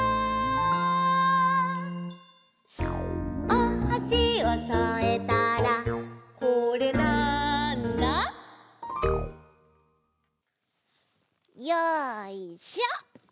「おはしをそえたらこれ、なんだ？」よいしょ！